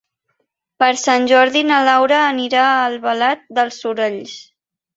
Per Sant Jordi na Laura anirà a Albalat dels Sorells.